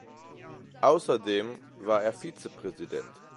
Außerdem war er Vizepräsident.